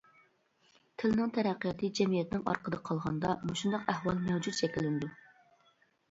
تىلنىڭ تەرەققىياتى جەمئىيەتنىڭ ئارقىدا قالغاندا مۇشۇنداق ئەھۋال مەۋجۇت شەكىللىنىدۇ.